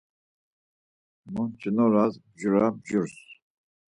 Monç̌inoras mjora mjors.